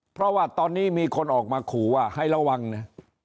เพราะว่าตอนนี้มีคนออกมาขู่ว่าให้ระวังนะ